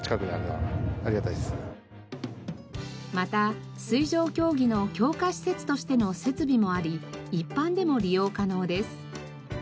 また水上競技の強化施設としての設備もあり一般でも利用可能です。